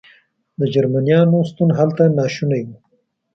د جرمنیانو شتون هلته ناشونی و.